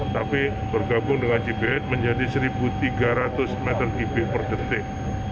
tapi bergabung dengan cipet menjadi satu tiga ratus m tiga per detik